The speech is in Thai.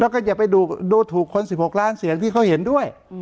แล้วก็อย่าไปดูถูกคน๑๖ล้านเสียงที่เขาเห็นด้วย